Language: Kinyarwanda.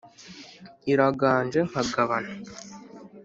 iraganje nkagabana.